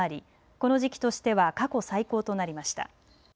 この時期としては過去最高となりました。